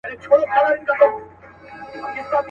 پسرلي راڅخه تېر سول، پر خزان غزل لیکمه.